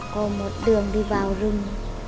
có một đường đi vào rung